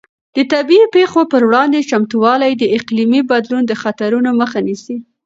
د طبیعي پېښو پر وړاندې چمتووالی د اقلیمي بدلون د خطرونو مخه نیسي.